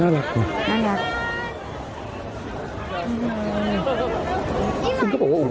น่ารักน่ารัก